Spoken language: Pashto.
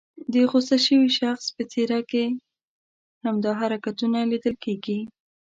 د غوسه شوي شخص په څېره کې هم دا حرکتونه لیدل کېږي.